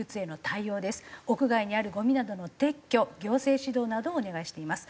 屋外にあるゴミなどの撤去行政指導などをお願いしています。